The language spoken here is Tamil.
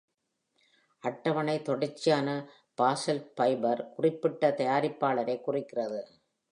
அட்டவணை தொடர்ச்சியான பாசால்ட் ஃபைபர் குறிப்பிட்ட தயாரிப்பாளரைக் குறிக்கிறது.